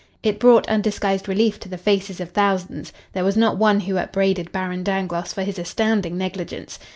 It brought undisguised relief to the faces of thousands; there was not one who upbraided Baron Dangloss for his astounding negligence.